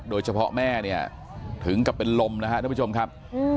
แม่เนี่ยถึงกับเป็นลมนะครับทุกผู้ชมครับ